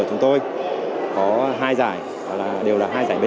thật sự thì